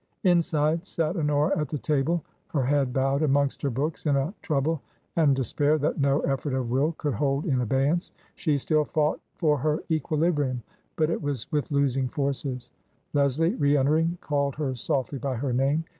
Inside sat Honora at the table, her head bowed amongst her books, in a trouble and despair that no effort of will could hold in abeyance ; she still fought for her equilibrium, but it was with losing forces. Leslie, re entering, called her softly by her name.